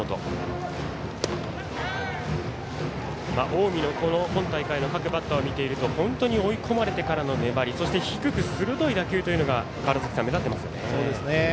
近江の今大会の各バッターを見ていると本当に追い込まれてからの粘りそして、低く鋭い打球というのが目立ってますよね。